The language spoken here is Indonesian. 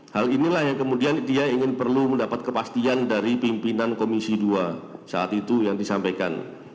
hal inilah yang kemudian dia ingin perlu mendapat kepastian dari pimpinan komisi dua saat itu yang disampaikan